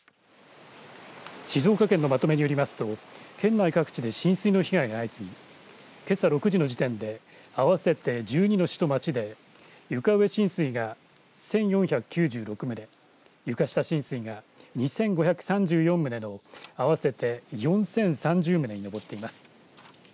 静岡県のまとめによりますと県内各地で浸水の被害が相次ぎけさ６時の時点で合わせて１２の市と町で床上浸水が１４９６棟、床下浸水が２５３４棟の合わせて４０３０棟に上っています。